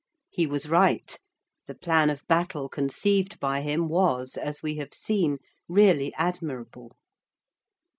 He was right; the plan of battle conceived by him was, as we have seen, really admirable.